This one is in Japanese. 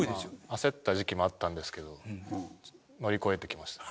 焦った時期もあったんですけど乗り越えてきました。